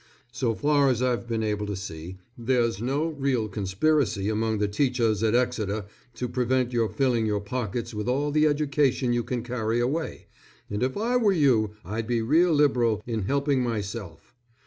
So far as I've been able to see, there's no real conspiracy among the teachers at Exeter to prevent your filling your pockets with all the education you can carry away, and if I were you I'd be real liberal in helping myself.